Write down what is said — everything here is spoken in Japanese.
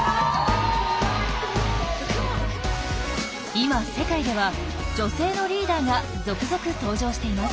今世界では女性のリーダーが続々登場しています。